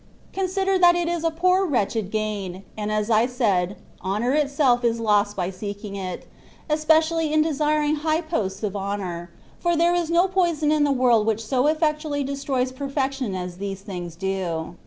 Consider that it is a poor wretched gain ; and as I said, honour itself is lost by seeking it, especially in desiring high posts of honour, for there is no poison in the world which so effectually destroys perfection as these things do.